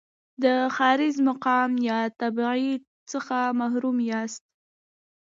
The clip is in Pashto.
د ښاریز مقام یا تابعیت څخه محروم یاست.